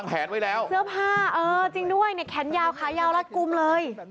นึกถึงแค้นยาวขายาวรัดกุมเลย